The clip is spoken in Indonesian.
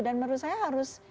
dan menurut saya harus